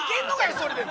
それでも。